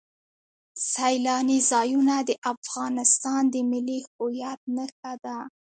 سیلاني ځایونه د افغانستان د ملي هویت نښه ده.